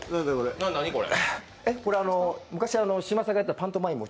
これ、昔、嶋佐がやってたパントマイムを。